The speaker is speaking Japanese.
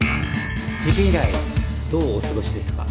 事件以来どうお過ごしでしたか？